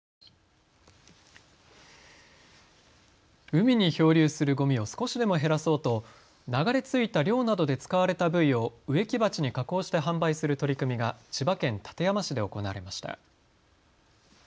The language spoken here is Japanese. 海に漂流するごみを少しでも減らそうと流れ着いた漁などで使われたブイを植木鉢に加工して販売する取り組みが千葉県館山市で行われました。